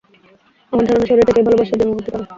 আমার ধারণা শরীর থেকেই ভালবাসার জন্ম হতে পারে।